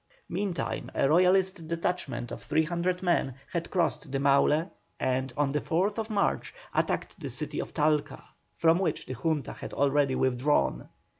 Meantime a Royalist detachment of 300 men had crossed the Maule, and on the 4th March attacked the city of Talca, from which the Junta had already withdrawn.